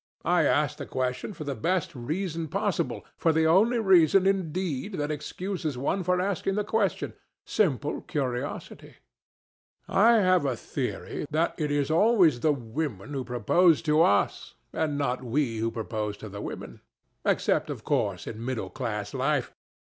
"I asked the question for the best reason possible, for the only reason, indeed, that excuses one for asking any question—simple curiosity. I have a theory that it is always the women who propose to us, and not we who propose to the women. Except, of course, in middle class life.